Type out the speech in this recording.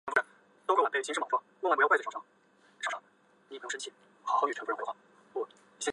在苏联财政部研究所任经济学家。